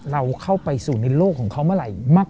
เราเข้าไปสู่ในโลกของเขาเมื่อไหร่